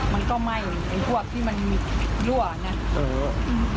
มันก็ไหม้ไอ้พวกที่มันยั่วนะเอออืม